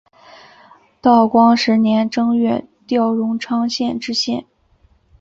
道光十年正月调荣昌县知县。